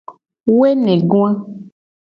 Woenegoa.